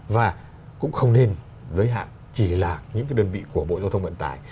và cũng không nên giới hạn chỉ là những cái đơn vị của bộ giao thông vận tải